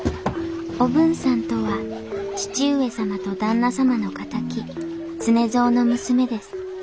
おぶんさんとは義父上様と旦那様の敵常蔵の娘です。